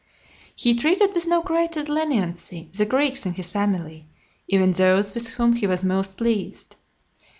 LVI. He treated with no greater leniency the Greeks in his family, even those with whom he was most pleased.